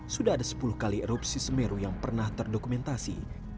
sudah ada sepuluh kali erupsi semeru yang pernah terdokumentasi